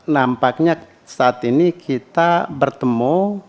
nampaknya saat ini kita bertemu